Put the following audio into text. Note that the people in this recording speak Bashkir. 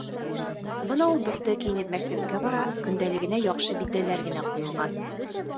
Бына ул бөхтә кейенеп мәктәпкә бара, көндәлегенә яҡшы билдәләр генә ҡуйылған.